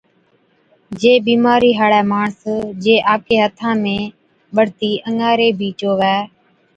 جي بِيمارِي هاڙَي ماڻس جي آپڪي هٿا ۾ ٻڙتي انڱاري بِي چووَي